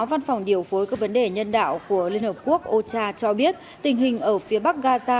văn phòng điều phối các vấn đề nhân đạo của liên hợp quốc ocha cho biết tình hình ở phía bắc gaza